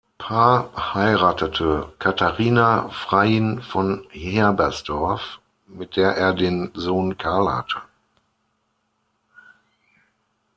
Paar heiratete "Catharina Freiin von Herbersdorf", mit der er den Sohn "Karl" hatte.